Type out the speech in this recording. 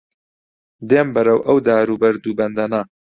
دێم بەرەو ئەو دار و بەرد و بەندەنە